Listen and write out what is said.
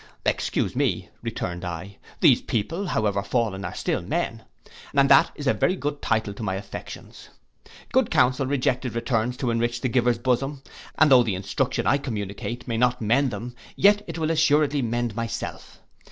'Excuse me,' returned I, 'these people, however fallen, are still men, and that is a very good title to my affections. Good council rejected returns to enrich the giver's bosom; and though the instruction I communicate may not mend them, yet it will assuredly mend myself.